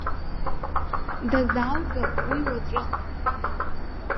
Дазааугап уи уаҵәы!